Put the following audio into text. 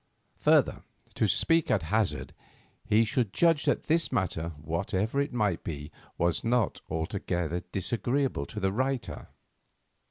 Further, to speak at hazard, he should judge that this matter, whatever it might be, was not altogether disagreeable to the writer.